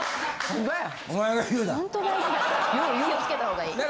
気をつけた方がいい。